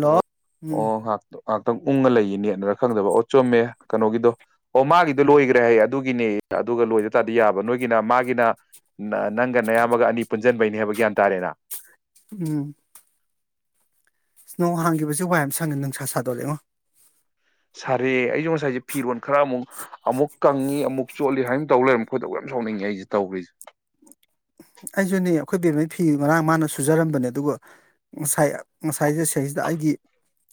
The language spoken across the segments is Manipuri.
ꯍꯜꯂꯣ ꯑꯣ ꯍꯥꯗꯣ ꯉꯥꯏꯍꯥꯛꯇꯪ ꯎꯡꯉ ꯂꯩꯌꯦꯅꯦ ꯅꯦꯠꯅꯔ ꯈꯪꯗꯕ ꯑꯣ ꯆꯨꯝꯃꯦ ꯀꯩꯅꯣꯒꯤꯗꯣ ꯑꯣ ꯃꯥꯒꯤꯗꯣ ꯂꯣꯏꯈ꯭ꯔꯦ ꯍꯥꯏꯌꯦ ꯑꯗꯨꯒꯤꯅꯦ ꯑꯗꯨꯒ ꯂꯣꯏꯗ ꯇꯥꯔꯗꯤ ꯌꯥꯕ ꯅꯣꯏꯒꯤꯅ ꯃꯥꯒꯤꯅ ꯅꯪꯒ ꯅꯌꯥꯝꯃꯒ ꯑꯅꯤ ꯄꯨꯟꯁꯤꯟꯕꯩꯅꯤ ꯍꯥꯏꯕ ꯒ꯭ꯌꯥꯟ ꯇꯥꯔꯦꯅ ꯎꯝ ꯏꯁ ꯅꯣꯡ ꯍꯥꯡꯈꯤꯕꯁꯦ ꯋꯥꯏ ꯌꯥꯝ ꯁꯪꯉꯦ ꯅꯨꯡꯁꯥ ꯁꯥꯗꯣꯔꯛ ꯑꯦꯕꯣ ꯁꯥꯔꯦ ꯑꯩꯁꯨ ꯉꯁꯥꯏꯁꯦ ꯐꯤꯔꯣꯟꯜ ꯈꯔ ꯑꯃꯨꯛ ꯑꯃꯨꯛ ꯀꯪꯉꯤ ꯑꯃꯨꯛ ꯆꯣꯠꯂꯤ ꯍꯥꯏꯅ ꯇꯧ ꯂꯩꯔꯝꯃꯦ ꯈꯣꯏꯗꯧ ꯌꯥꯝ ꯁꯥꯎꯅꯤꯡꯉꯦ ꯑꯩꯁꯦ ꯇꯧꯔꯤꯁꯦ ꯑꯩꯁꯨꯅꯦ ꯑꯩꯈꯣꯏ ꯕꯦꯝꯃꯩ ꯐꯤ ꯉꯔꯥꯡ ꯃꯥꯅ ꯁꯨꯖꯔꯝꯕꯅꯦ ꯑꯗꯨꯒ ꯉꯁꯥꯏ ꯉꯁꯥꯏꯗ ꯁꯩꯁꯤꯗ ꯑꯩꯒꯤ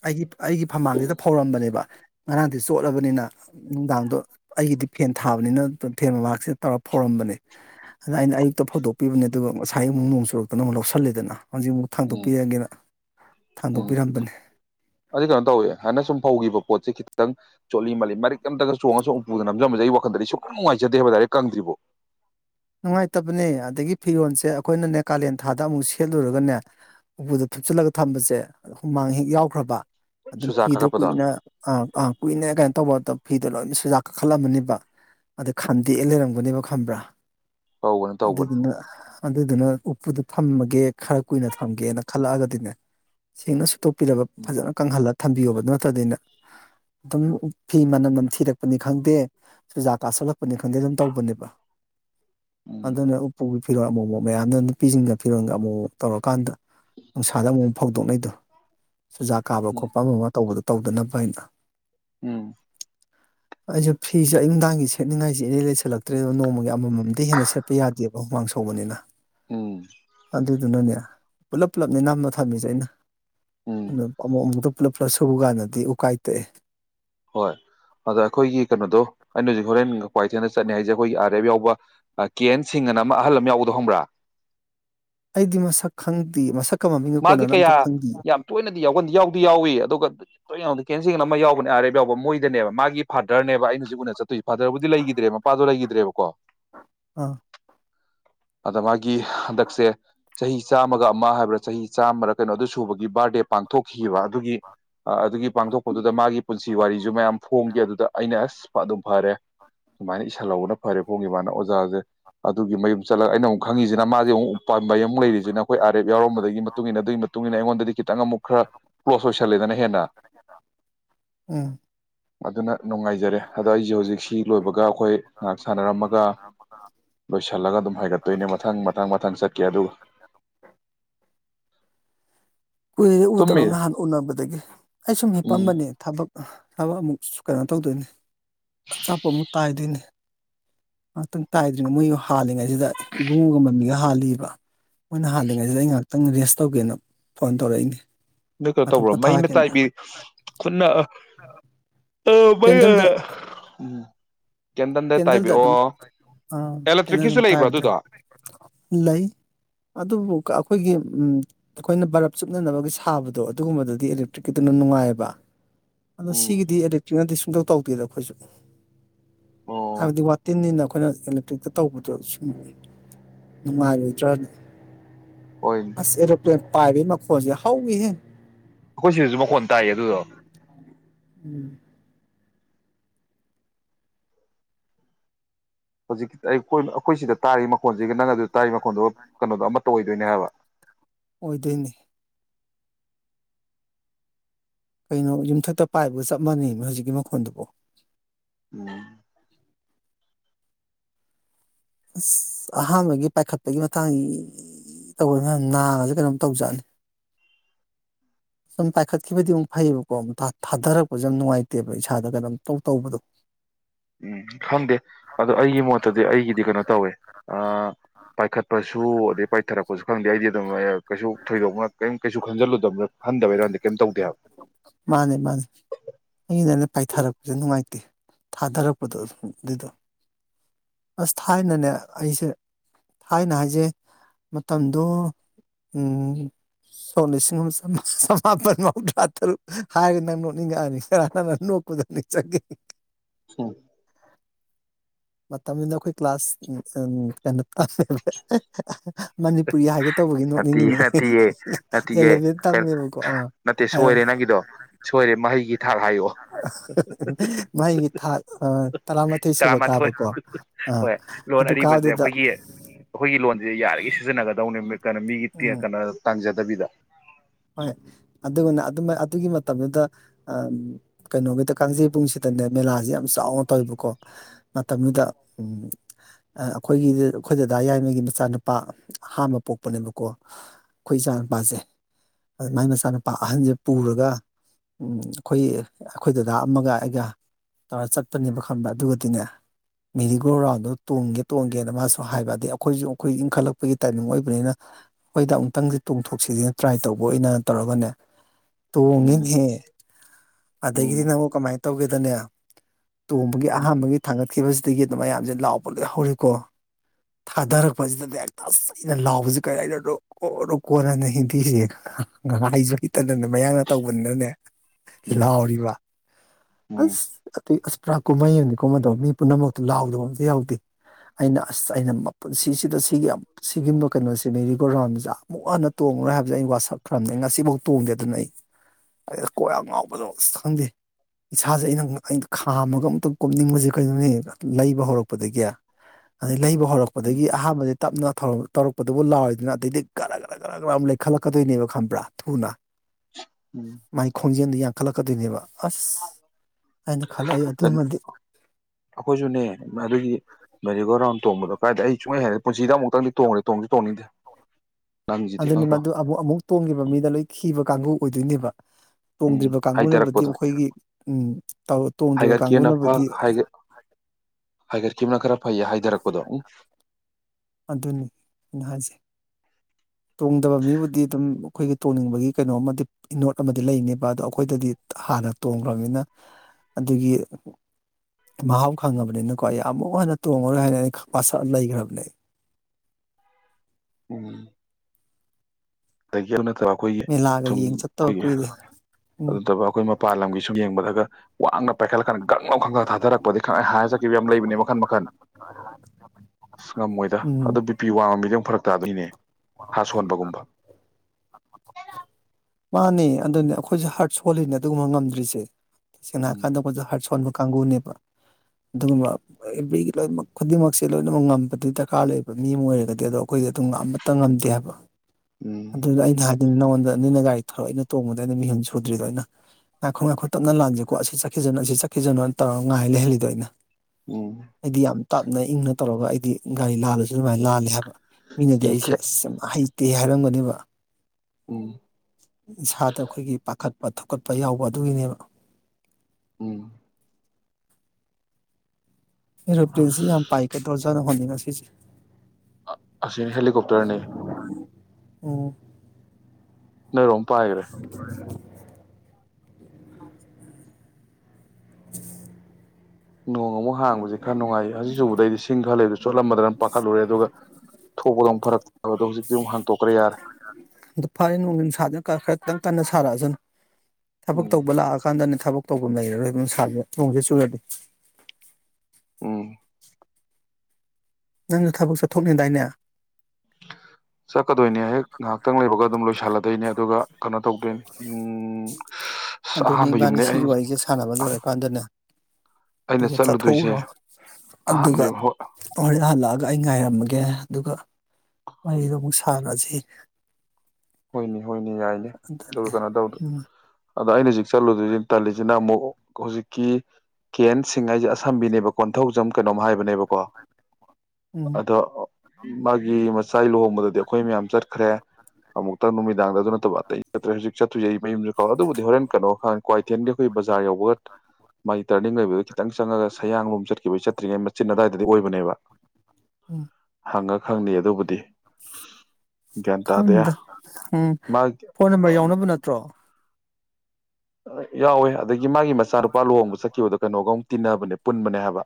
ꯑꯩꯒꯤ ꯑꯩꯒꯤ ꯐꯃꯥꯡꯁꯤꯗ ꯐꯧꯔꯝꯕꯅꯦꯕ ꯉꯔꯥꯡꯗꯤ ꯆꯣꯠꯂꯕꯅꯤꯅ ꯅꯨꯡꯗꯥꯡꯗꯣ ꯑꯩꯒꯤꯗꯤ ꯐꯦꯟ ꯊꯥꯕꯅꯤꯅ ꯐꯦꯟ ꯃꯃꯥꯡꯁꯤꯗ ꯇꯧꯔ ꯐꯧꯔꯝꯕꯅꯦ ꯑꯗꯨꯅ ꯑꯩꯅ ꯑꯌꯨꯛꯇ ꯐꯧꯗꯣꯛ ꯄꯤꯕꯅꯤ ꯑꯗꯨꯒ ꯉꯁꯥꯏ ꯅꯣꯡ ꯆꯨꯔꯛꯇꯅ ꯃꯨꯛ ꯂꯧꯁꯜꯂꯦꯗꯅ ꯍꯧꯖꯤꯛꯃꯛꯨ ꯎꯝ ꯊꯥꯡꯗꯣꯛꯄꯤꯔꯒꯦꯅ ꯎꯝ ꯊꯥꯡꯗꯣꯛꯄꯤꯔꯝꯕꯅꯤ ꯑꯗꯨ ꯀꯩꯅꯣ ꯇꯧꯋꯦ ꯍꯥꯟꯅ ꯁꯨꯝ ꯐꯧ ꯈꯤꯕ ꯄꯣꯠꯁꯦ ꯈꯤꯇꯪ ꯆꯣꯠꯂꯤ ꯃꯥꯜꯂꯤ ꯃꯔꯤꯛ ꯑꯝꯇꯒ ꯆꯣꯡꯉꯒ ꯆꯣꯡ ꯄꯨꯗꯅ ꯅꯝꯖꯝꯕꯁꯦ ꯑꯩꯒꯤ ꯋꯥꯈꯟꯗꯗꯤ ꯁꯨꯛꯅꯨꯡ ꯅꯨꯡꯉꯥꯏꯖꯗꯦ ꯍꯥꯏꯕ ꯗꯥꯏꯔꯦꯛ ꯀꯪꯗ꯭ꯔꯤꯕꯣ ꯅꯨꯡꯉꯥꯏꯇꯕꯅꯦ ꯑꯗꯒꯤ ꯐꯤꯔꯣꯜꯁꯦ ꯑꯩꯈꯣꯏꯅꯅꯦ ꯀꯥꯂꯦꯟ ꯊꯥꯗ ꯑꯃꯨꯛ ꯁꯦꯠꯂꯨꯔꯒꯅꯦ ꯎꯄꯨꯗ ꯊꯨꯞꯆꯜꯂꯒꯅꯦ ꯊꯝꯕꯁꯦ ꯍꯨꯃꯥꯡ ꯍꯦꯛ ꯌꯥꯎꯈ꯭ꯔꯕ ꯑꯗꯨꯝ ꯆꯨꯖꯥꯛ ꯐꯤꯗꯣ ꯀꯥꯈꯠꯄꯗꯣ ꯀꯨꯏꯅ ꯑꯥ ꯑꯥ ꯀꯨꯏꯅ ꯀ ꯑꯇꯧꯕ ꯐꯤꯗꯣ ꯂꯣꯏꯅ ꯁꯨꯖꯥ ꯀꯥꯈꯠꯂꯝꯃꯅꯤꯕ ꯑꯗ ꯈꯝꯗꯦꯛꯑ ꯂꯩꯔꯝꯒꯅꯦꯕ ꯈꯪꯕ꯭ꯔ ꯇꯧꯕꯅꯦ ꯇꯧꯕꯅꯦ ꯑꯗꯨꯗꯨꯅ ꯑꯗꯨꯗꯨꯅ ꯎꯄꯨꯗ ꯊꯝꯃꯒꯦ ꯈꯔ ꯀꯨꯏꯅ ꯊꯝꯒꯦꯅ ꯈꯜꯂꯛ ꯑꯒꯗꯤꯅꯦ ꯁꯦꯡꯅ ꯁꯨ ꯇꯣꯛꯄꯤꯔꯕ ꯎꯝ ꯐꯖꯅ ꯀꯪꯍꯜꯂ ꯊꯝꯕꯤꯌꯣꯕ ꯑꯗꯨ ꯅꯠꯇ꯭ꯔꯗꯤꯅꯦ ꯑꯗꯨꯝ ꯐꯤ ꯃꯅꯝ ꯅꯝ ꯊꯤꯔꯛꯄꯅꯤ ꯈꯪꯗꯦ ꯆꯨꯖꯥꯛ ꯀꯥꯥꯁꯜꯂꯛꯄꯅꯤ ꯈꯪꯗꯦ ꯑꯗꯨꯝ ꯇꯧꯕꯅꯦꯕ ꯎꯝ ꯑꯗꯨꯅ ꯎꯄꯨ ꯐꯤꯔꯣꯜ ꯑꯃꯨꯃꯛ ꯃꯌꯥꯝꯅ ꯅꯨꯄꯤꯁꯤꯡꯒ ꯐꯤꯔꯣꯜꯒ ꯑꯃꯨꯝꯛ ꯇꯧꯔꯀꯥꯟꯗ ꯅꯨꯡꯁꯥꯗ ꯑꯃꯨꯛꯛ ꯐꯧꯗꯣꯛꯅꯩꯗꯣ ꯁꯨꯖꯥ ꯀꯥꯕ ꯎꯝ ꯈꯣꯠꯄ ꯑꯃ ꯑꯃ ꯇꯧꯕꯗꯣ ꯇꯧꯗꯅꯕ ꯍꯥꯏꯅ ꯎꯝ ꯑꯩꯁꯨ ꯐꯤꯁꯦ ꯑꯌꯨ ꯅꯨꯡꯗꯥꯡꯒꯤ ꯁꯦꯠꯅꯤꯡꯉꯥꯏꯁꯦ ꯏꯂꯩ ꯂꯩꯁꯜꯂꯛꯇ꯭ꯔꯦꯗ ꯅꯣꯡꯃꯒꯤ ꯑꯃꯃꯝ ꯑꯗꯩ ꯍꯦꯟꯅ ꯁꯦꯠꯄ ꯌꯥꯗꯦꯕ ꯍꯨꯃꯥꯡ ꯁꯧꯕꯅꯤꯅ ꯎꯝ ꯑꯗꯨꯗꯨꯅꯅꯦ ꯄꯨꯂꯞ ꯄꯨꯜꯂꯞꯅꯦ ꯅꯝꯃ ꯊꯝꯃꯤꯁꯦ ꯑꯩꯅ ꯎꯝ ꯑꯗꯨꯝ ꯑꯃꯨꯛ ꯑꯃꯨꯛ ꯄꯨꯂꯞ ꯄꯨꯂꯞ ꯁꯨꯕ ꯀꯥꯟꯗꯗꯤ ꯎꯀꯥꯏ ꯇꯛꯑꯦ ꯍꯣꯏ ꯑꯗꯣ ꯑꯩꯈꯣꯏꯒꯤ ꯀꯩꯅꯣꯗꯣ ꯑꯩꯅ ꯍꯧꯖꯤꯛ ꯍꯣꯔꯦꯟ ꯀ꯭ꯋꯥꯏꯊꯦꯜꯅ ꯆꯠꯅꯤ ꯍꯥꯏꯁꯦ ꯑꯩꯈꯣꯏꯒꯤ ꯑꯥꯔ ꯑꯦꯐ ꯌꯥꯎꯕ ꯀꯦ ꯑꯦꯟ ꯁꯤꯡ ꯑꯅ ꯑꯃ ꯑꯍꯜ ꯑꯃ ꯌꯥꯎꯕꯗꯣ ꯈꯪꯕ꯭ꯔꯥ ꯑꯩꯗꯤ ꯃꯁꯛ ꯈꯪꯗꯦ ꯃꯁꯛ ꯃꯥꯁꯦ ꯀꯌꯥ ꯌꯥꯝ ꯇꯣꯏꯅꯗꯤ ꯌꯥꯎꯒꯟ ꯌꯥꯎꯗꯤ ꯌꯥꯎꯏ ꯑꯗꯨꯒ ꯂꯣꯏ ꯌꯥꯎꯕꯅꯤ ꯀꯦꯁꯂ ꯀꯩꯅꯣꯝꯃ ꯌꯥꯎꯕꯅꯦ ꯑꯔꯦ ꯑꯦ ꯌꯥꯎꯕ ꯃꯣꯏꯗꯅꯦꯕ ꯃꯥꯒꯤ ꯐꯥꯗꯔꯅꯦꯕ ꯑꯩꯅ ꯍꯩꯖꯤꯛ ꯎꯅ ꯆꯠꯇꯣꯏꯁꯦ ꯐꯥꯗꯔꯕꯨꯗꯤ ꯂꯩꯈꯤꯗ꯭ꯔꯦ ꯃꯄꯥꯗꯣ ꯂꯩꯈꯤꯗ꯭ꯔꯦ ꯗ꯭ꯔꯦꯕꯀꯣ ꯑꯥ ꯑꯗ ꯃꯥ ꯒꯤ ꯍꯟꯗꯛꯁꯦ ꯆꯍꯤ ꯆꯥꯝꯃꯒ ꯑꯃ ꯍꯥꯏꯕ꯭ꯔ ꯆꯍꯤ ꯆꯥꯝꯃꯔ ꯀꯩꯅꯣ ꯑꯗꯨ ꯁꯨꯕꯒꯤ ꯕꯥꯔꯗꯦ ꯄꯥꯡꯊꯣꯛꯈꯤꯕ ꯑꯗꯨꯒꯤ ꯑꯗꯨꯒꯤ ꯄꯥꯡꯊꯣꯛꯄꯗꯨ ꯑꯗꯨꯗ ꯃꯥꯒꯤ ꯄꯨꯟꯁꯤ ꯋꯥꯔꯤꯁꯨ ꯃꯌꯥꯝ ꯐꯣꯡꯈꯤ ꯑꯗꯨꯗ ꯑꯩꯅ ꯑꯁ ꯑꯗꯣ ꯐꯔꯦ ꯁꯨꯃꯥꯏꯅ ꯏꯁꯜꯍꯧꯕꯅ ꯐꯔꯦ ꯐꯣꯡꯉꯤꯕ ꯑꯣꯖꯥꯁꯦ ꯑꯗꯨꯒꯤ ꯃꯌꯨꯝ ꯆꯠꯂꯒ ꯑꯩꯅ ꯑꯃꯨꯛ ꯈꯪꯉꯤꯁꯤꯅ ꯃꯥꯁꯦ ꯃꯨꯛ ꯎꯄꯥꯜ ꯄꯌꯦꯝ ꯑꯣꯢꯔꯤꯁꯤꯅ ꯑꯩꯈꯣꯏ ꯑꯥꯔ ꯑꯦꯞ ꯌꯥꯎꯔꯝꯕꯗꯣ ꯑꯗꯨ ꯃꯇꯨꯡꯏꯟꯅ ꯑꯗꯨꯏ ꯃꯇꯨꯡꯏꯟꯅ ꯑꯩꯉꯣꯟꯗꯗꯤ ꯈꯤꯇꯪ ꯑꯃꯨꯛ ꯈꯔ ꯀ꯭ꯂꯣꯁ ꯑꯣꯏꯁꯜꯂꯤꯗꯅ ꯍꯦꯟꯅ ꯎꯝ ꯑꯗꯨꯅ ꯅꯨꯡꯉꯥꯏꯖꯔꯦ ꯑꯗꯣ ꯑꯩꯁꯦ ꯍꯧꯖꯤꯛꯁꯤ ꯂꯣꯏꯕꯒ ꯑꯩꯈꯣꯏ ꯉꯥꯏꯍꯥꯛ ꯁꯥꯟꯅꯔꯝꯃꯒ ꯂꯣꯏꯁꯤꯜꯂꯒ ꯑꯗꯨꯝ ꯍꯥꯏꯒꯠ ꯇꯣꯏꯅꯦ ꯃꯊꯪ ꯃꯊꯪ ꯃꯊꯪ ꯆꯠꯀꯦ ꯑꯗꯨꯒ ꯀꯨꯏꯔꯦ ꯎꯗꯕ ꯇꯨꯝꯃꯤ ꯅꯍꯥꯟ ꯎꯅꯕꯗꯒꯤ ꯑꯩ ꯁꯨꯝ ꯎꯝ ꯍꯤꯄꯝꯕꯅꯦ ꯊꯕꯛ ꯊꯕꯛ ꯑꯃꯨꯛ ꯀꯩꯅꯣ ꯇꯧꯗꯣꯏꯅꯤ ꯆꯥꯄꯣꯠ ꯃꯨꯛ ꯇꯥꯏꯗꯣꯏꯅꯤ ꯉꯥꯛꯇꯪ ꯇꯥꯏꯗ꯭ꯔꯤꯉꯩ ꯃꯣꯏ ꯍꯥꯜꯂꯤꯉꯩ ꯁꯤꯗ ꯏꯕꯨꯡꯒꯨꯝꯕ ꯃꯤꯍ ꯊꯥꯂꯤꯕ ꯃꯣꯏꯅ ꯍꯥꯟꯉꯤꯗꯉꯩꯗꯥ ꯑꯩ ꯈꯤꯇꯪ ꯔꯦꯁ ꯇꯧꯒꯦꯅ ꯐꯣꯟ ꯇꯧꯔꯛꯏꯅꯦ ꯑꯗꯣ ꯀꯩꯅꯣ ꯉꯥꯛꯇꯪ ꯇꯧꯕ꯭ꯔꯣ ꯃꯩ ꯅ ꯄꯣꯊꯥꯒꯦꯅ ꯇꯥꯏꯕꯤ ꯈꯨꯠꯅ ꯀꯦꯟꯗꯜꯗ [unintelligible] ꯀꯦꯟꯗꯜꯗ ꯑꯗꯨꯝ ꯑꯥ ꯀꯦꯟꯗꯜ ꯑꯦꯂꯦꯛꯇ꯭ꯔꯤꯛꯀꯤꯁꯨ ꯑꯗꯨꯝ ꯂꯩꯕ꯭ꯔꯥ ꯇꯥꯏꯕꯗꯣ ꯑꯗꯨꯗꯣ ꯂꯩ ꯑꯗꯨꯕꯨ ꯑꯩꯈꯣꯏꯒꯤ ꯑꯩꯈꯣꯏꯅ ꯕꯔꯞ ꯆꯨꯞꯅꯅꯕꯒꯤ ꯁꯥꯕꯗꯣ ꯑꯗꯨꯒꯨꯝꯕꯗꯗꯤ ꯑꯦꯂꯦꯛꯇ꯭ꯔꯤꯛꯀꯤꯗꯨꯅ ꯅꯨꯡꯉꯥꯏꯑꯦꯕ ꯑꯗꯣ ꯎꯝ ꯁꯤꯒꯤꯗꯤ ꯑꯦꯗꯤꯛꯇꯤ ꯅꯠꯇꯦ ꯑꯗꯣ ꯑꯩꯈꯣꯏꯁꯨ ꯇꯧꯗꯦꯗ ꯑꯩꯈꯣꯏꯁꯨ ꯑꯣ ꯍꯥꯏꯕꯗꯤ ꯋꯥꯇꯤꯟꯅꯤꯅꯀꯣ ꯑꯩꯈꯣꯏꯅ ꯖꯜꯇ꯭ꯔꯤꯛꯇ ꯇꯧꯕꯗꯣ ꯁꯨꯝ ꯅꯨꯡꯉꯥꯏꯔꯣꯏꯗ꯭ꯔꯅꯦ ꯍꯣꯏꯅꯦ ꯑꯁ ꯑꯦꯂꯦꯇ꯭ꯔꯤꯛ ꯄꯥꯏꯒꯤꯕ ꯃꯈꯣꯟꯁꯤ ꯍꯧꯋꯤꯍꯦ ꯑꯩꯈꯣꯏ ꯁꯤꯗꯁꯨ ꯃꯈꯣꯟ ꯇꯥꯏꯌꯦ ꯑꯗꯨꯗꯣ [inaudible] ꯍꯧꯖꯤꯛ ꯑꯩ ꯑꯩꯈꯣꯏ ꯁꯤꯗ ꯇꯥꯔꯤ ꯃꯈꯣꯟꯁꯤꯒ ꯅꯪ ꯑꯗꯨ ꯇꯥꯔꯤ ꯃꯈꯣꯟꯗꯣ ꯀꯩꯅꯣꯗꯣ ꯑꯃꯠꯇ ꯑꯣꯏ ꯑꯗꯨꯅꯦ ꯍꯥꯏꯕ ꯑꯣꯏꯗꯣꯏꯅꯤ ꯀꯩꯅꯣ ꯌꯨꯝꯊꯛꯇ ꯄꯥꯏꯕꯒ ꯆꯞ ꯃꯥꯟꯅꯩꯕ ꯍꯧꯖꯤꯛꯀꯤ ꯃꯈꯣꯟꯗꯨꯕꯨꯣ ꯎꯝ ꯑꯁ ꯑꯍꯥꯟꯕꯒꯤ ꯄꯥꯏꯈꯠꯄꯒꯤ ꯃꯇꯥꯡ ꯇꯧꯋꯧ ꯈꯔ ꯅꯥꯒꯁꯦ ꯀꯩꯅꯣꯝ ꯇꯧꯖꯥꯠꯅꯤ ꯁꯨꯝ ꯄꯥꯏꯈꯠꯈꯤꯕꯗꯤ ꯑꯃꯨꯛ ꯐꯩꯌꯦꯕꯀꯣ ꯊꯥꯗꯔꯛꯄꯁꯦ ꯌꯥꯝ ꯅꯨꯡꯉꯥꯏꯇꯦꯕ ꯏꯁꯥꯗ ꯀꯩꯅꯣꯝ ꯏꯇꯧ ꯇꯧꯕꯗꯣ ꯎꯝ ꯈꯪꯗꯦ ꯑꯗꯣ ꯑꯩꯒꯤ ꯃꯣꯠꯇꯗꯤ ꯑꯩꯒꯤꯗꯤ ꯀꯩꯅꯣ ꯇꯧꯋꯦ ꯑꯥ ꯄꯥꯏꯈꯠꯄꯁꯨ ꯑꯗꯩ ꯄꯥꯏꯊꯔꯛꯄꯁꯨ ꯈꯪꯗꯦ ꯑꯩꯗꯤ ꯑꯗꯨꯝ ꯀꯩꯁꯨ ꯊꯣꯏꯗꯣꯛꯅ ꯀꯦꯝ ꯀꯩꯁꯨ ꯈꯟꯖꯤꯜꯂꯨꯗꯕꯗꯣ ꯃꯥꯅꯦ ꯃꯥꯅꯦ ꯑꯩꯅ ꯄꯥꯏꯊꯔꯛꯄꯗꯣ ꯅꯨꯡꯉꯥꯏꯇꯦ ꯊꯥꯗꯔꯛꯄꯗꯣ ꯑꯗꯨꯗꯣ ꯑꯁ ꯊꯥꯏꯅꯅꯦ ꯑꯩꯁꯦ ꯊꯥꯏꯅ ꯍꯥꯏꯖꯦ ꯃꯇꯝꯗꯣ ꯁꯣꯛ ꯂꯤꯁꯤꯡ ꯑꯃ ꯆꯝ ꯃꯥꯄꯟ ꯃꯧꯗꯔꯥ ꯇꯔꯨꯛ ꯍꯥꯏꯔꯒ ꯅꯪ ꯅꯣꯛꯅꯤꯡ ꯉꯛꯑꯅꯤ ꯅꯪ ꯅꯣꯛꯄꯗ ꯨꯅꯤꯡ ꯖꯪꯉꯦ [inaudible] ꯃꯇꯝꯗꯨꯗ ꯑꯩꯈꯣꯏ ꯀ꯭ꯂꯥꯁ ꯎꯝ ꯀꯩꯅꯣ ꯃꯅꯤꯄꯨꯔꯤ ꯍꯥꯏꯒ ꯇꯧꯕꯒꯤ ꯅꯠꯇꯤꯌꯦ ꯅꯣꯛꯅꯤꯡꯉꯤꯅꯦ ꯅꯠꯇꯤꯌꯦ ꯑꯦꯂꯦꯚꯦꯟ ꯅꯠꯇꯤꯌꯦ ꯅꯠꯇꯦ ꯁꯣꯏꯔꯦ ꯅꯪꯒꯤꯗꯣ ꯁꯣꯏꯔꯦ ꯃꯍꯩ ꯃꯍꯩꯒꯤ ꯊꯥꯛ ꯇꯔꯥꯃꯥꯊꯣꯏ ꯁꯨꯕ ꯇꯔꯥꯃꯥꯊꯣꯏ ꯀꯥꯕꯀꯣ ꯑ ꯍꯣꯏ ꯂꯣꯟ ꯑꯗꯨ ꯑꯔꯤꯕꯁꯦ ꯀꯥꯗꯨꯗ ꯁꯤꯖꯤꯟꯅꯒꯗꯧ ꯅꯦꯃꯤꯠ ꯀꯩꯅꯣ ꯃꯤꯒꯤ ꯇꯦꯛꯀꯥꯅ ꯑꯗꯨꯝ ꯇꯥꯡꯖꯕꯤ ꯗꯕꯤꯗ ꯍꯣꯏ ꯑꯗꯨꯅ ꯑꯗꯨ ꯑꯗꯨꯒꯤ ꯃꯇꯝꯗꯨꯗ ꯑ ꯀꯩꯅꯣꯒꯤꯗ ꯀꯥꯡꯖꯩꯕꯨꯡꯁꯤꯗꯅꯦ ꯃꯦꯂꯥꯁꯦ ꯌꯥꯝ ꯆꯥꯎꯅ ꯇꯧꯋꯦꯕꯀꯣ ꯃꯇꯝꯗꯨꯗ ꯑꯩꯈꯣꯏꯒꯤꯗ ꯑꯩꯈꯣꯏ ꯗꯗꯥ ꯌꯥꯏꯃꯥꯒꯤ ꯃꯆꯥꯅꯨꯄꯥ ꯑꯍꯟꯕ ꯄꯣꯛꯄꯅꯦꯕꯀꯣ ꯑꯩꯈꯣꯏ ꯏꯆꯥ ꯅꯨꯨꯄꯥꯁꯦ ꯃꯥꯏ ꯃꯆꯥꯅꯨꯄꯥ ꯑꯍꯟꯖꯦ ꯄꯨꯔꯒ ꯑꯩꯈꯣꯏ ꯑꯩꯈꯣꯏ ꯗꯗꯥ ꯑꯃꯒ ꯑꯩꯒ ꯇꯧꯔ ꯆꯠꯄꯅꯦꯕ ꯈꯟꯕ ꯑꯗꯨꯒꯗꯤꯅꯦ ꯃꯦꯔꯤꯒꯣꯜ ꯔꯥꯎꯟꯗꯣ ꯇꯣꯡꯒꯦ ꯇꯣꯡꯒꯦꯅ ꯃꯥꯁꯨ ꯍꯥꯏꯕ ꯑꯗꯩ ꯑꯩꯈꯣꯏꯁꯨ ꯑꯩꯈꯣꯏ ꯏꯟꯈꯠꯂꯛꯄꯒꯤ ꯇꯥꯏꯃꯤꯡ ꯑꯣꯏꯕꯅꯤꯅ ꯑꯩꯈꯣꯏꯗ ꯑꯃꯨꯛꯇꯪ ꯇꯣꯡꯊꯣꯛꯁꯤꯁꯤꯅ ꯇ꯭ꯔꯥꯏ ꯇꯧꯕ ꯑꯣꯏꯅ ꯇꯧꯔꯒꯅꯦ ꯎꯝ ꯇꯣꯡꯉꯦꯅꯦꯍꯦ ꯎꯝ ꯑꯗꯒꯤꯗꯤ ꯅꯪꯕꯨ ꯀꯃꯥꯏꯅ ꯇꯧꯒꯦ ꯗꯅꯦ ꯇꯣꯡꯕꯒꯤ ꯑꯍꯥꯟꯕꯒꯤ ꯊꯥꯡꯒꯠꯈꯤꯕꯁꯤꯗꯒꯤ ꯑꯗꯨ ꯃꯌꯥꯝꯖꯦ ꯂꯥꯎꯕ ꯂꯣꯏ ꯍꯧꯔꯀꯣ ꯊꯥꯗꯔꯛꯄꯁꯤꯗꯅꯦ ꯍꯦꯛꯇ ꯑꯩꯅ ꯂꯥꯎꯕꯁꯤ ꯀꯔꯤꯅꯣ ꯔꯨꯀꯣ ꯔꯨꯀꯣꯅ [unintelligible] ꯎꯝ ꯂꯥꯎꯔꯤꯕ ꯎꯝ ꯑꯁ ꯄꯨꯔꯥ ꯀꯨꯝꯍꯩ ꯑꯝꯅꯤꯀꯣ ꯃꯗꯣ ꯄꯨꯝꯅꯃꯛꯇꯨ ꯂꯥꯎꯗꯕ ꯑꯝꯇ ꯌꯥꯎꯗꯦ ꯑꯩꯅ ꯑꯁ ꯑꯩꯅ ꯄꯨꯟꯁꯤꯁꯤꯗ ꯁꯤꯒꯤ ꯁꯤꯒꯨꯝꯕ ꯀꯩꯅꯣꯁꯦ ꯃꯦꯔꯤ ꯒꯣꯒꯜꯔꯥꯎꯟꯁꯤ ꯑꯃꯨꯛ ꯍꯟꯅ ꯇꯣꯡꯉꯔꯣꯏ ꯍꯥꯏꯕ ꯑꯩ ꯋꯥꯁꯛꯈ꯭ꯔꯕꯅꯤ ꯉꯁꯤꯕꯧ ꯇꯣꯡꯗꯦ ꯑꯗꯨꯅ ꯑꯩ ꯀꯣꯛ ꯌꯥꯝ ꯉꯥꯎꯕꯗꯣ ꯈꯪꯗꯦ ꯏꯁꯥꯖꯦ ꯑꯩꯅ ꯑꯩꯅ ꯈꯥꯝꯃꯒ ꯑꯝꯇ ꯀꯨꯞꯅꯤꯡꯕꯁꯦ ꯀꯩꯅꯣꯅꯦꯍꯦ ꯂꯩꯕ ꯍꯧꯔꯛꯄꯗꯒꯤ ꯑꯗꯩ ꯂꯩꯕ ꯎꯝ ꯍꯧꯔꯛꯄꯗꯒꯤ ꯑꯍꯥꯟꯕꯗꯤ ꯇꯞꯅ ꯊꯧꯔꯝ ꯇꯧꯔꯛꯄꯗꯨꯕꯨ ꯂꯥꯎꯏꯗꯅ ꯑꯇꯩꯗꯤ ꯒꯔ ꯒꯥ ꯒꯥ ꯑꯃ ꯂꯩ ꯈꯜꯂꯛꯀꯗꯣꯏꯅꯦꯕ ꯈꯪꯕ꯭ꯔꯥ ꯊꯨꯅ ꯎꯝ ꯃꯥꯥꯏ ꯈꯣꯡꯖꯦꯜꯗ ꯌꯥꯝ ꯈꯜꯂꯛꯀꯗꯣꯏꯅꯦꯕ ꯑꯗꯨꯃꯗꯤ ꯑꯩꯈꯣꯏꯁꯨꯅꯦ ꯃꯗꯨꯒꯤ ꯃꯦꯔꯤꯒꯣ ꯔꯥꯎꯟ ꯇꯣꯡꯕꯗꯣ ꯀꯥꯏꯗꯦ ꯑꯩ ꯁꯨꯡꯍꯩ ꯍꯩꯅꯗꯦ ꯄꯨꯟꯁꯤꯗ ꯑꯃꯨꯛꯇꯪꯗꯤ ꯇꯣꯡꯒ꯭ꯔꯦ ꯇꯣꯡ [unintelligible] ꯑꯗꯨꯅꯤ ꯃꯗꯨ ꯑꯃꯨꯛ ꯑꯃꯨꯛ ꯇꯣꯡꯈꯤꯕ ꯃꯤꯗ ꯂꯣꯏ ꯈꯤꯕ ꯀꯥꯡꯒꯨ ꯑꯣꯏꯗꯣꯏꯅꯦꯕ ꯎꯝ ꯇꯣꯡꯗ꯭ꯔꯤꯕ ꯀꯥꯡꯒꯨꯅꯕꯨꯗꯤ ꯍꯥꯏꯊꯔꯛꯄꯗꯣ ꯃꯨꯛ ꯑꯩꯈꯣꯏꯒꯤ ꯎꯝ ꯇꯧ ꯇꯣꯡꯗ꯭ꯔꯤꯕ ꯍꯥꯏꯒꯠꯈꯤꯕꯅ ꯐ ꯀꯥꯡꯒꯨꯅꯕꯨꯗꯤ [unintelligible] ꯐꯩꯌꯦ ꯍꯥꯏꯗꯔꯛꯄꯗꯣ ꯎꯝ ꯑꯗꯨꯅꯤ ꯑꯩꯅ ꯍꯥꯏꯁꯦ ꯇꯣꯡꯗꯕ ꯃꯤꯕꯨꯗꯤ ꯑꯗꯨꯝ ꯑꯩꯈꯣꯏꯒꯤ ꯇꯣꯡꯅꯤꯡꯕꯒꯤ ꯀꯩꯅꯣ ꯑꯃꯗꯤ ꯏꯅꯣꯠ ꯑꯃꯗꯤ ꯂꯩꯅꯦꯕ ꯑꯗꯣ ꯑꯩꯈꯣꯏꯗꯗꯤ ꯍꯥꯟꯅ ꯇꯣꯡꯒ꯭ꯔꯝꯅꯤꯅ ꯑꯗꯨꯒꯤ ꯃꯍꯥꯎ ꯈꯪꯉꯕꯅꯤꯅꯀꯣ ꯑꯩ ꯑꯃꯨꯛ ꯍꯟꯅ ꯇꯣꯡꯉꯔꯣꯏ ꯍꯥꯏꯅ ꯑꯩ ꯋꯥꯁꯛ ꯑꯝ ꯂꯩꯒ꯭ꯔꯕꯅꯦ ꯑꯩ ꯎꯝ [unintelligible] ꯆ ꯑꯩꯈꯣꯏꯒꯤ ꯃꯦꯂꯥꯒ ꯊꯨꯝ ꯌꯦꯡ ꯆꯠꯇꯕ ꯑꯩꯈꯣꯏꯒꯤ ꯀꯨꯏꯔꯦ ꯎꯝ ꯑꯗꯨꯇ ꯄ ꯑꯩꯈꯣꯏ ꯃꯄꯥꯟ ꯂꯝꯒꯤ ꯁꯨꯝ ꯌꯦꯡꯕꯗꯒ ꯋꯥꯡꯅ ꯄꯥꯏꯈꯠꯂꯀꯥꯟꯗ ꯒꯪ ꯂꯥꯎ ꯈꯪꯊꯥ ꯊꯥꯗꯔꯛꯄꯗꯤ ꯈꯪꯍꯥꯏ ꯍꯥꯏꯔ ꯆꯠꯈꯤꯕ ꯌꯥꯝ ꯂꯩꯕꯅꯦ ꯃꯈꯟ ꯃꯈꯟ ꯑꯁ ꯉꯝꯃꯣꯏꯗ ꯎꯝ ꯑꯗꯨ ꯕꯤ ꯄꯤ ꯋꯥꯡꯕ ꯃꯤꯗꯤ ꯑꯝ ꯐꯔꯛ ꯇꯥꯗꯣꯏꯅꯦ ꯍ꯭ꯥꯔꯠ ꯁꯣꯟꯕꯒꯨꯝꯕ ꯃꯥꯅꯦ ꯑꯗꯨꯅꯦ ꯑꯩꯈꯣꯏꯁꯦ ꯍꯥꯔꯠ ꯁꯣꯜꯂꯤꯅꯦ ꯑꯗꯨꯒꯨꯝꯕ ꯉꯝꯗ꯭ꯔꯤꯁꯦ ꯁꯦꯡꯅ ꯎꯝ ꯍꯥꯏꯀꯥꯟꯗ ꯈꯣꯏꯖꯦ ꯍꯥꯔꯠ ꯁꯣꯟꯕ ꯀꯥꯡꯒꯨꯅꯦꯕ ꯑꯗꯨꯒꯨꯝꯕ ꯑꯞ ꯑꯦꯕ꯭ꯔꯤꯒꯤ ꯂꯣꯏꯅꯃꯛ ꯈꯨꯗꯤꯡꯃꯛꯁꯦ ꯂꯣꯏꯅꯃꯛ ꯉꯝꯕꯗꯤ ꯗꯔꯀꯥꯔ ꯂꯩꯌꯦꯕ ꯃꯤ ꯑꯃ ꯑꯣꯏꯔꯒꯗꯤ ꯑꯗꯣ ꯑꯩꯈꯣꯏꯗꯤ ꯑꯗꯨꯝ ꯑꯃꯇ ꯉꯝꯗꯦ ꯍꯥꯏꯕ ꯎꯝ ꯑꯗꯨꯗ ꯑꯩꯅ ꯍꯥꯏ ꯅꯉꯣꯟꯗ ꯃꯤꯅ ꯒꯥꯔꯤ ꯊꯧꯔ ꯑꯩꯅ ꯇꯣꯡꯕꯗ ꯃꯤꯍꯨꯟ ꯁꯨꯗ꯭ꯔꯤꯗꯣ ꯑꯩꯅ ꯉꯥꯏꯈꯣ ꯉꯥꯏꯈꯣ ꯇꯞꯅ ꯂꯥꯟꯖꯦ ꯀꯣ ꯑꯁꯤ ꯆꯠꯈꯤꯖꯅꯨ ꯑꯁꯤ ꯆꯠꯈꯤꯖꯅꯨꯅ ꯇꯧꯔ ꯉꯥꯏ ꯂꯩꯍꯜꯂꯤꯗꯣ ꯑꯩꯅ ꯎꯝ ꯑꯩꯗꯤ ꯌꯥꯝ ꯇꯞꯅ ꯏꯪꯅ ꯇꯧꯔꯒ ꯑꯩꯗꯤ ꯒꯥꯔꯤ ꯂꯥꯜꯂꯁꯨ ꯑꯗꯨꯃꯥꯏ ꯂꯥꯜꯂꯦ ꯍꯥꯏꯕ ꯃꯤꯅꯗꯤ ꯏ ꯑꯩꯁꯦ ꯈꯦ ꯑꯁ ꯌꯥꯝ ꯇꯦ ꯍꯥꯏꯔꯝꯒꯅꯤꯕ ꯎꯝ ꯏꯁꯥꯗ ꯑꯩꯈꯣꯏꯒꯤ ꯄꯥꯈꯠ ꯄ ꯊꯨꯀꯠꯄ ꯌꯥꯎꯕ ꯑꯗꯨꯒꯤꯅꯦꯕ ꯎꯝ ꯑꯦꯔꯣꯄ꯭ꯂꯦꯟꯁꯤ ꯌꯥꯝ ꯄꯥꯏ ꯀꯩꯗꯧꯔ ꯖꯥꯠꯅꯣ ꯈꯪꯗꯦ ꯉꯥ [unintelligible] ꯑ ꯑꯁꯤꯅ ꯍꯦꯂꯤꯀꯣꯞꯇꯔꯅꯦ ꯑꯣ ꯅꯣꯏꯔꯣꯝ ꯄꯥꯏꯈ꯭ꯔꯦ [inaudible] ꯅꯣꯡ ꯑꯃꯨꯛ ꯍꯥꯡꯕꯁꯦ ꯈꯔ ꯅꯨꯡꯉꯥꯏꯌꯦ ꯍꯧꯖꯤꯛ ꯆꯨꯕꯗꯨ ꯑꯩꯗꯤ ꯁꯤꯡ ꯈꯔ ꯂꯩꯕꯗꯨ ꯆꯣꯠꯂꯝꯃꯗ꯭ꯔꯥꯅ ꯄꯥꯈꯠꯂꯨꯔꯦ ꯑꯗꯨꯒ ꯊꯣꯛꯄꯗꯣ ꯑꯃꯨꯛ ꯐꯔꯛ ꯇꯥꯗꯧꯁꯤ ꯑꯃꯨꯛ ꯍꯥꯡꯇꯣꯛꯈ꯭ꯔꯦ ꯌꯥꯔꯦ ꯁꯥꯔꯛꯑꯖꯅꯨ ꯊꯕꯛ ꯎꯝ ꯇꯧꯕ ꯂꯥꯛꯑꯀꯥꯟꯗꯅꯦ ꯊꯕꯛ ꯇꯧꯕꯝ ꯂꯩꯔꯔꯣꯏ ꯅꯨꯡꯁꯥꯖꯦ ꯅꯣꯡꯁꯦ ꯆꯨꯔꯗꯤ ꯎꯝ ꯅꯪꯖꯨ ꯊꯕꯛ ꯆꯠꯊꯣꯛꯅꯤꯗꯥꯏꯅꯦ ꯆꯠꯀꯗꯣꯏꯅꯦ ꯍꯦꯛ ꯉꯥꯛꯍꯥꯛꯇꯪ ꯂꯩꯕꯒ ꯑꯗꯨꯝ ꯂꯣꯏꯁꯜꯂꯗꯣꯏꯅꯦ ꯑꯗꯨꯒ ꯀꯩꯅꯣ ꯇꯧꯗꯣꯏꯅꯤ ꯎꯝ ꯑꯁ ꯑꯗꯨꯅꯤ ꯑꯍꯥꯟꯕ ꯏꯕꯥꯅꯤ ꯌꯨꯝꯅꯦ ꯁꯤꯒꯤ ꯑꯩ ꯋꯥꯔꯤꯁꯦ ꯁꯥꯟꯅꯕ ꯂꯣꯏꯔꯦꯀꯥꯟꯗꯅꯦ ꯑꯩꯅ ꯑꯗꯨꯒ ꯆꯠꯂꯨꯗꯣꯏꯁꯦ ꯆꯠꯊꯣꯛꯎꯔꯣ ꯑꯍꯥꯟꯕ ꯑꯗꯨꯒ ꯌꯨꯝ ꯍꯣꯏ ꯍꯣꯔꯦꯟ ꯍꯜꯂꯛꯑ ꯑꯩ ꯉꯥꯏꯔꯝꯃꯒꯦ ꯑꯗꯨꯒ ꯋꯥꯔꯤꯗꯣ ꯑꯃꯨꯛ ꯁꯥꯔꯁꯤ ꯍꯣꯏꯅꯤ ꯍꯣꯏꯅꯤ ꯌꯥꯏꯅꯦ ꯑꯗꯨꯒ ꯀꯩꯅꯣ ꯇꯧ ꯎꯝ ꯑꯗꯨ ꯑꯩꯅ ꯆꯠꯂꯨꯗꯣꯏꯖꯦ ꯇꯜꯂꯤꯁꯤꯅ ꯑꯃꯨꯛ ꯍꯧꯖꯤꯛꯀꯤ ꯀꯦꯟ ꯁꯤꯡ ꯍꯥꯏꯁꯦ ꯑꯁꯝꯕꯤꯅꯦꯕ ꯀꯣꯟꯊꯧꯖꯝ ꯀꯩꯅꯣꯝ ꯍꯥꯏꯕ ꯕꯅꯦꯕꯀꯣ ꯎꯝ ꯑꯗꯣ [inaudible] ꯃꯥꯒꯤ ꯃꯆꯥꯥꯏ ꯂꯨꯍꯣꯡꯕꯗꯗꯤ ꯑꯩꯈꯣꯏ ꯃꯌꯥꯝ ꯆꯠꯈ꯭ꯔꯦ ꯑꯃꯨꯛꯇꯪ ꯅꯨꯃꯤꯗꯥꯡꯗ ꯑꯗꯨ ꯅꯠꯇꯕ ꯑꯇꯩ ꯆꯠꯇ꯭ꯔꯦ ꯍꯧꯖꯤꯛ ꯆꯠꯇꯣꯏꯁꯦ ꯑꯩ ꯃꯌꯨꯝꯁꯨ ꯀꯥꯎꯔꯦ ꯑꯗꯨꯕꯨꯗꯤ ꯍꯣꯔꯦꯟ ꯀꯩꯅꯣ ꯀ꯭ꯋꯥꯀꯩꯊꯦꯟꯒꯤ ꯑꯩꯈꯣꯏ ꯕꯖꯥꯔ ꯌꯧꯕꯒ ꯃꯥꯥꯏ ꯇꯔꯅꯤꯡ ꯂꯩꯕꯗꯣ ꯈꯤꯇꯪ ꯆꯪꯉꯒ ꯁꯌꯥꯡꯂꯣꯝ ꯆꯠꯈꯤꯕꯩ ꯆꯠꯇ꯭ꯔꯤꯉꯩ ꯃꯆꯤꯟ ꯑꯗꯨꯋꯥꯏꯗꯗꯤ ꯑꯣꯏꯕꯅꯦꯕ ꯎꯝ ꯍꯪꯉ ꯈꯪꯅꯤ ꯑꯗꯨꯕꯨꯗꯤ ꯒ꯭ꯌꯥꯟ ꯇꯥꯗꯦ ꯈꯪꯅꯤꯗ ꯎꯝ ꯃꯥ ꯐꯣꯟ ꯅꯝꯕꯔ ꯌꯥꯎꯅꯕ ꯅꯠꯇ꯭ꯔꯣ ꯌꯥꯎꯋꯦ ꯑꯗꯒꯤ ꯃꯥꯒꯤ ꯃꯆꯥꯅꯨꯄꯥ ꯂꯨꯍꯣꯡꯕ ꯆꯠꯈꯤꯕꯗꯣ ꯀꯩꯅꯣꯒ ꯑꯃꯨꯛ ꯇꯤꯟꯅꯕꯅꯦ ꯄꯨꯟꯕꯅꯦ ꯍꯥꯏꯕ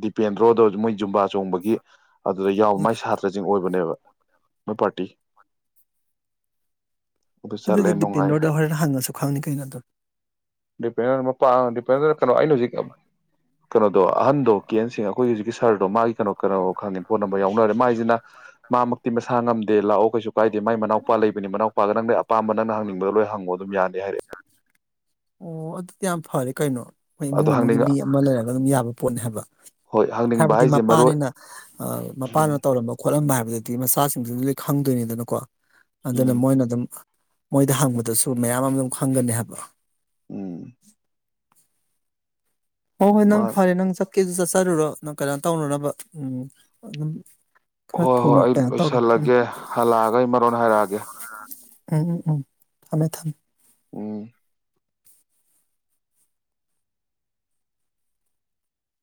ꯗꯤꯄꯦꯟꯗ꯭ꯔꯣꯗꯣ ꯃꯣꯏ ꯖꯨꯝꯕꯥ ꯆꯣꯡꯕꯒꯤ ꯑꯗꯨꯗ ꯌꯥꯎ ꯃꯥꯏ ꯁꯥꯇ꯭ꯔꯁꯤꯡ ꯑꯣꯏꯕꯅꯦꯕ ꯃꯣꯏ ꯄꯥꯔꯇꯤ ꯑꯗꯨ ꯑꯗꯨꯗꯤ ꯆꯠꯂꯦ ꯅꯨꯡꯉꯥꯏ ꯗꯤꯄꯦꯟꯗ꯭ꯔꯣꯗꯣ ꯍꯣꯔꯦꯟ ꯍꯪꯉꯁꯨ ꯈꯪꯅꯤ ꯀꯩꯅꯣ ꯑꯗꯨꯝ ꯗꯤꯄꯦꯟꯗ꯭ꯔ ꯃꯄꯥ ꯗꯤꯄꯦꯟꯗ꯭ꯔꯣ ꯀꯩꯅꯣ ꯑꯩꯅ ꯍꯧꯖꯤꯛ ꯀꯩꯅꯣꯗꯣ ꯑꯍꯟꯗꯣ ꯀꯦꯟ ꯑꯦꯟ ꯁꯦꯡ ꯑꯩꯈꯣꯏꯒꯤ ꯍꯧꯖꯤꯛꯀꯤ ꯁꯥꯔꯗꯣ ꯃꯥꯒꯤ ꯀꯩꯅꯣ ꯀꯩꯅꯣ ꯈꯪꯉꯦ ꯐꯣꯟ ꯅꯝꯕꯔ ꯌꯥꯎꯅꯔꯦ ꯃꯥꯏꯁꯤꯅ ꯃꯥꯃꯛꯇꯤ ꯃꯁꯥ ꯉꯝꯗꯦ ꯂꯥꯛꯑꯣ ꯀꯩꯁꯨ ꯀꯥꯏꯗꯦ ꯃꯥꯏ ꯃꯅꯥꯎꯄꯥ ꯂꯩꯕꯅꯤ ꯃꯅꯥꯎꯄꯥꯒ ꯅꯪꯗ ꯑꯄꯥꯝꯕ ꯅꯪꯅ ꯍꯪꯅꯤꯡꯕꯗ ꯂꯣꯏ ꯍꯪꯉꯣ ꯑꯗꯨꯝ ꯌꯥꯅꯤ ꯍꯥꯏꯔꯛꯑꯦ ꯑꯣ ꯑꯗꯨꯗꯤ ꯌꯥꯝ ꯐꯔꯦ ꯀꯩꯅꯣ ꯃꯣꯏ ꯏꯃꯨꯡ ꯑꯗꯣ ꯃꯅꯨꯡꯒꯤ ꯍꯪꯅꯤꯡ ꯃꯤ ꯑꯃ ꯂꯩꯔꯒ ꯑꯗꯨꯝ ꯌꯥꯕ ꯄꯣꯠꯅꯦ ꯍꯥꯏꯕ ꯍꯣꯏ ꯍꯪꯅꯤꯡꯕ ꯍꯥꯏꯕꯗꯤ ꯍꯥꯏꯁꯦ ꯃꯔꯣꯏ ꯃꯄꯥꯅꯤꯅ ꯑꯥ ꯎꯝ ꯃꯄꯥꯅꯅ ꯇꯧꯔꯝꯕ ꯈꯣꯠꯂꯝꯕ ꯍꯥꯏꯕ ꯑꯗꯨꯗꯤ ꯃꯆꯥꯁꯤꯡꯗꯨꯁꯨ ꯂꯣꯏ ꯈꯪꯗꯣꯏꯅꯤꯗꯅꯀꯣ ꯑꯗꯨꯅ ꯎꯝ ꯃꯣꯏꯅ ꯑꯗꯨꯝ ꯃꯣꯏꯗ ꯍꯪꯕꯗꯁꯨ ꯃꯌꯥꯝ ꯑꯃ ꯑꯗꯨꯝ ꯈꯪꯒꯅꯤ ꯍꯥꯏꯕ ꯎꯝ ꯍꯣ ꯍꯣꯏ ꯅꯪ ꯃꯥ ꯐꯔꯦ ꯅꯪ ꯆꯠ ꯀꯦꯁꯨ ꯆꯠꯆꯔꯨꯔꯣ ꯅꯪ ꯀꯩꯅꯣ ꯇꯧꯅꯅꯕ ꯎꯝ ꯑꯗꯨꯝ ꯈꯔ ꯍꯣꯏ ꯍꯣꯏ ꯊꯨꯅ ꯑꯩ ꯀꯩꯅꯣ ꯇꯧꯔꯣ ꯎꯝ ꯂꯣꯏꯁꯜꯂꯒꯦ ꯍꯜꯂꯛꯑꯒ ꯑꯩ ꯃꯔꯣꯟ ꯍꯥꯏꯔꯛꯑꯒꯦ ꯎꯝ ꯎꯝ ꯎꯝ ꯊꯝꯃꯦ ꯊꯝꯃꯦ ꯎꯝ